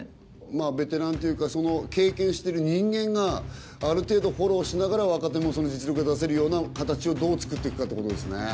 ベテランっていうか経験してる人間がある程度フォローしながら若手も実力が出せるような形をどうつくっていくかってことですね。